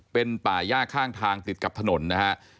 เป็นป่ายหญ้าข้างทางติดกับถนนนะครับ